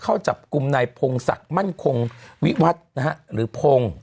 เข้าจับกลุ่มนายพงศักดิ์มั่นคงวิวัฒน์นะฮะหรือพงศ์